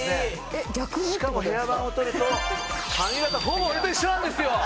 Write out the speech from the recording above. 「しかもヘアバンを取ると髪形ほぼ俺と一緒なんですよ！」